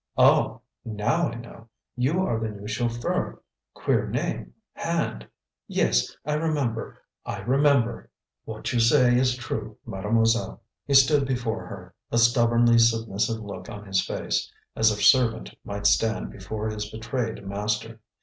"Oh, now I know! You are the new chauffeur; 'queer name, Hand!' Yes, I remember I remember." "What you say is true, Mademoiselle." He stood before her, a stubbornly submissive look on his face, as a servant might stand before his betrayed master.